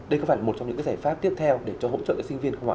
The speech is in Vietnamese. đây có phải là một trong những giải pháp tiếp theo để cho hỗ trợ sinh viên không ạ